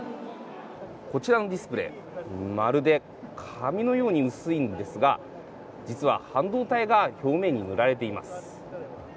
こちらのディスプレイ、まるで紙のように薄いんですが、実は、半導体が表面に塗られています。